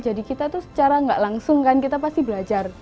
jadi kita tuh secara nggak langsung kan kita pasti belajar